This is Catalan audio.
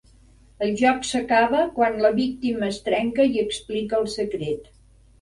El joc s'acaba quan la víctima es trenca i explica el secret.